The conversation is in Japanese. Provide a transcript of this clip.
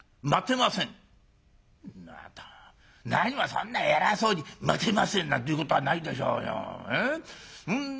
「また何もそんな偉そうに『待てません！』なんていうことはないでしょうよ。